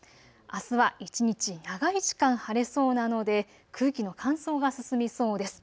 あすは一日長い時間、晴れそうなので空気の乾燥が進みそうです。